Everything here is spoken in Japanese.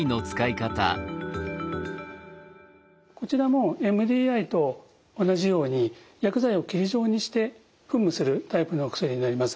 こちらもＭＤＩと同じように薬剤を霧状にして噴霧するタイプのお薬になります。